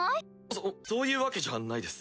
そそういうわけじゃないです。